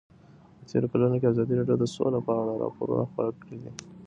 په تېرو کلونو کې ازادي راډیو د سوله په اړه راپورونه خپاره کړي دي.